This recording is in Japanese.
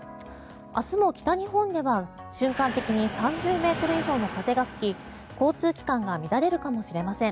明日も北日本では瞬間的に３０ｍ以上の風が吹き交通機関が乱れるかもしれません。